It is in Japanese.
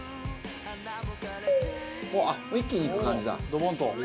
あっ一気にいく感じだ。